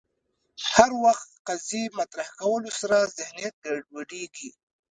هر وخت قضیې مطرح کولو سره ذهنیت ګډوډېږي